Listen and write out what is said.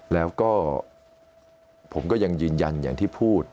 แล้วก็ผมก็ยังยืนยันอย่างที่พูด